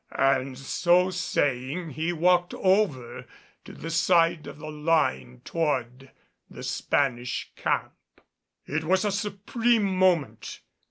And so saying he walked over to the side of the line toward the Spanish camp. It was a supreme moment.